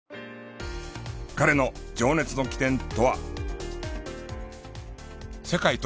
彼の情熱の起点とは？